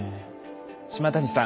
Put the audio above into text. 島谷さん